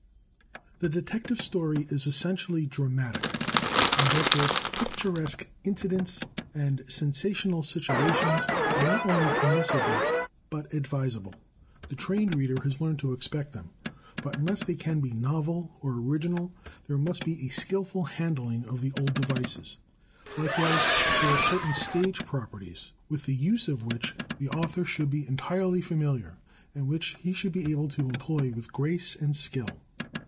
The detective story is essentially dramatic, and therefore picturesque incidents and sensational situations are not only MORE DEVICES 207 permissible, but advisable. The trained reader has learned to expect them. But imless they can be novel or original, there must be a skillful handling of the old devices. Likewise, there are certain stage properties with the use of which the author should be entirely familiar, and which he should be able to employ with grace and skill.